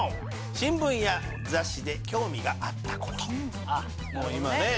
「新聞や雑誌で興味があったこと」。